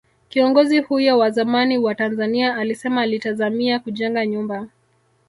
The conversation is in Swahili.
Kiongozi huyo wa zamani wa Tanzania alisema alitazamia kujenga nyumba